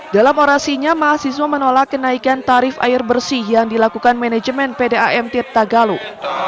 dalam orasinya mahasiswa menolak kenaikan tarif air bersih yang dilakukan manajemen pdam tirta galuh